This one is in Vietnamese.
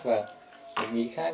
và mọi người khác và mọi người khác